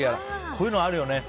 こういうの、あるよね。